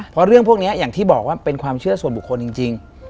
เพราะเรื่องพวกนี้อย่างที่บอกว่าเป็นความเชื่อส่วนบุคคลจริง